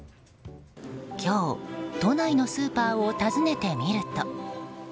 今日、都内のスーパーを訪ねてみると。